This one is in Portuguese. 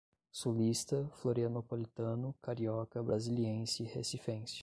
sulista, florianopolitano, carioca, brasiliense, recifense